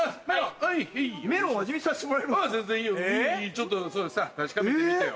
ちょっと確かめてみてよ。